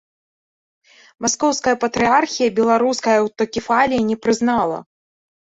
Маскоўская патрыярхія беларускай аўтакефаліі не прызнала.